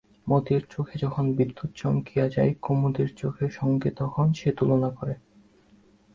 মতির চোখে যখন বিদ্যুৎ চমকিয়া যায় কুমুদের চোখের সঙ্গে তখন সে তুলনা করে।